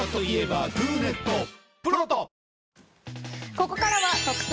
ここからは、特選！！